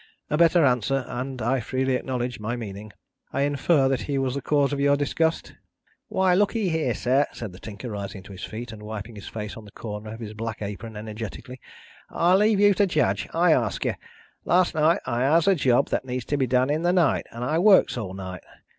"A better answer, and (I freely acknowledge) my meaning. I infer that he was the cause of your disgust?" "Why, look'ee here, sir," said the Tinker, rising to his feet, and wiping his face on the corner of his black apron energetically; "I leave you to judge! I ask you! Last night I has a job that needs to be done in the night, and I works all night.